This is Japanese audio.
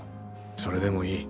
それでもいい。